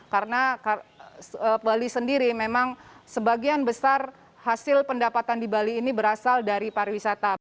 karena bali sendiri memang sebagian besar hasil pendapatan di bali ini berasal dari pariwisata